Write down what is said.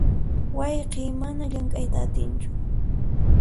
Wayqiy mana llamk'ayta atinchu.